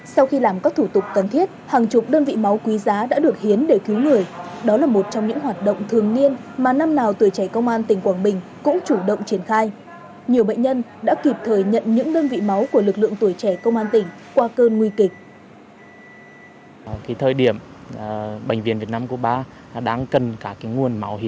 sau khi làm các thủ tục cần thiết hàng chục đơn vị máu quý giá đã được hiến để cứu người đó là một trong những hoạt động thường niên mà năm nào tuổi trẻ công an tỉnh quảng bình cũng chủ động triển khai nhiều bệnh nhân đã kịp thời nhận những đơn vị máu của lực lượng tuổi trẻ công an tỉnh qua cơn nguy kịch